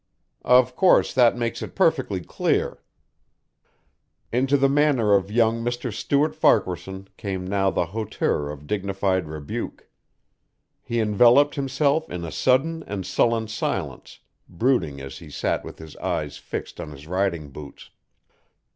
"Of course that makes it perfectly clear." Into the manner of young Mr. Stuart Farquaharson came now the hauteur of dignified rebuke. He enveloped himself in a sudden and sullen silence, brooding as he sat with his eyes fixed on his riding boots.